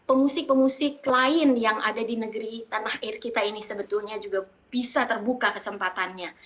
pemusik pemusik lain yang ada di negeri tanah air kita ini sebetulnya juga bisa terbuka kesempatannya